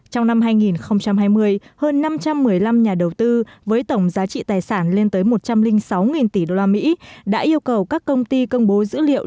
trong năm hai nghìn hai mươi hơn năm trăm một mươi năm nhà đầu tư với tổng giá trị tài sản lên tới một trăm linh sáu tỷ usd đã yêu cầu các công ty công bố dữ liệu